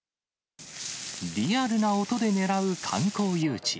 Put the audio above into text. リアルな音でねらう観光誘致。